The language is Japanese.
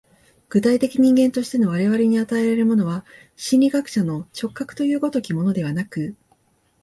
具体的人間としての我々に与えられるものは、心理学者の直覚という如きものではなく、